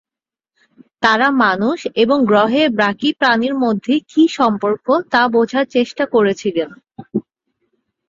তাঁরা মানুষ এবং গ্রহের বাকী প্রাণির মধ্যে কি সম্পর্ক তা বোঝার চেষ্টা করছিলেন।